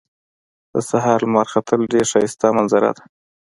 د سهار لمر ختل ډېر ښایسته منظره ده